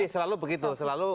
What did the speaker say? iya selalu begitu